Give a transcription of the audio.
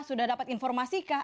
sudah dapat informasikah